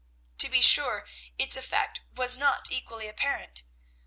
To be sure, its effect was not equally apparent.